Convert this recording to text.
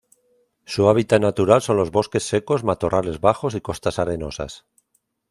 Su hábitat natural son los bosques secos, matorrales bajos y costas arenosas.